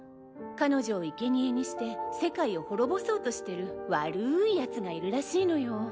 彼女を生贄にして世界を滅ぼそうとしてる悪いヤツがいるらしいのよ。